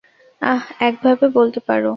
আহ, একভাবে বলতে পারো।